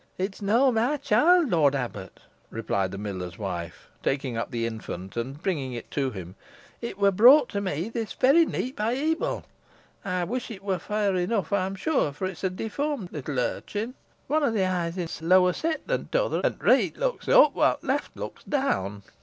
"It's nah my child, lort abbut," replied the miller's wife, taking up the infant and bringing it to him; "it wur brought to me this varry neet by Ebil. Ey wish it wur far enough, ey'm sure, for it's a deformed little urchon. One o' its een is lower set than t' other; an t' reet looks up, while t' laft looks down."